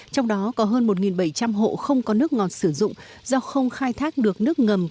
trong đó có hơn một bảy trăm linh hộ không có nước ngọt sử dụng do không khai thác được nước ngầm